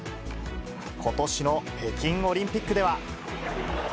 ことしの北京オリンピックでは。